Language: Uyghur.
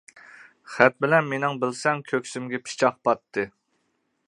خەت بىلەن مېنىڭ بىلسەڭ، كۆكسۈمگە پىچاق پاتتى.